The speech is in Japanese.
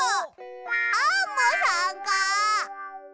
アンモさんか。